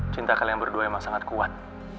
cinta kalian berdua emang sangat kuat